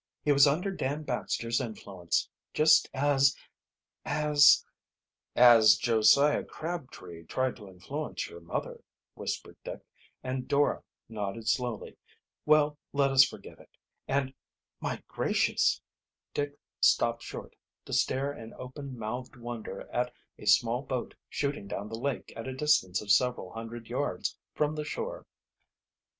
He was under Dan Baxter's influence, just as as " "As Josiah Crabtree tried to influence your mother," whispered Dick, and Dora nodded slowly. "Well, let us forget it, and My gracious!" Dick stopped short, to stare in open mouthed wonder at a small boat shooting down the lake at a distance of several hundred yards from the shore.